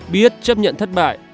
biết chấp nhận thất bại